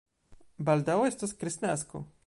Baldaŭ estos kristnasko.